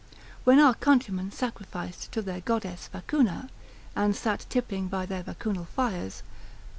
When our countrymen sacrificed to their goddess Vacuna, and sat tippling by their Vacunal fires.